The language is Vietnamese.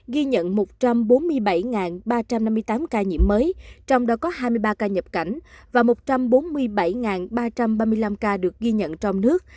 ghi nhận một trăm bốn mươi bảy ba trăm năm mươi tám ca nhiễm mới trong đó có hai mươi ba ca nhập cảnh và một trăm bốn mươi bảy ba trăm ba mươi năm ca được ghi nhận trong nước